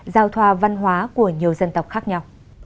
giao thoa văn hóa của nhiều dân tộc khác nhau